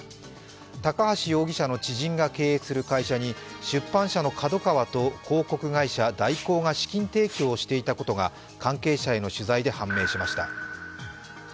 高橋容疑者の知人が経営する会社に出版社のＫＡＤＯＫＡＷＡと広告会社・大広が資金提供をしていたことが関係者への取材で判明しました。